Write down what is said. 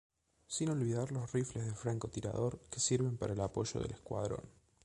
Sin olvidar los rifles de francotirador que sirven para el apoyo del escuadrón.